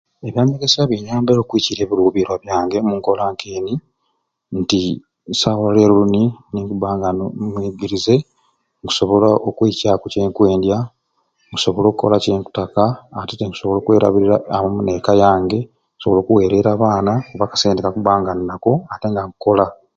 Ebyanyegesya binyambire okwikiirya ebiruubirirwa byange omunkola nk'eni nti nsobola eleero luni nimba nga ndi muyigirize nkusobola okweicaaku kyenkwendya nkusobola okukola kyenkutaka atete mba nkusobola okwerabirira amwe n'eka yange nkusobola okuweerera abaana kuba akasente mba nina ko ate nga nkukola.